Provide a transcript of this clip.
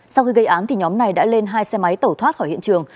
sau khi gây án nhóm này đã lên hai xe máy tẩu thoát khỏi hiện trường